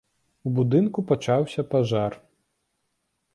У будынку пачаўся пажар.